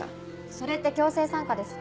それって強制参加ですか？